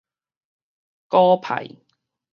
舊派